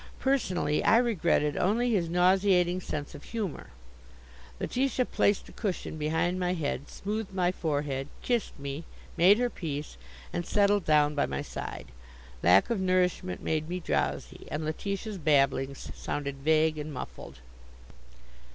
Personally, I regretted only his nauseating sense of humor. Letitia placed a cushion behind my head, smoothed my forehead, kissed me, made her peace, and settled down by my side. Lack of nourishment made me drowsy, and Letitia's babblings sounded vague and muffled.